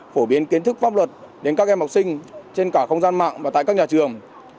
phổ biến kiến thức pháp luật đến các em học sinh trên cả không gian mạng và tại các nhà trường